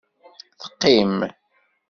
Teqqim.